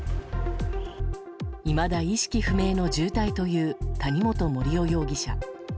いまだ意識不明の重体という谷本盛雄容疑者。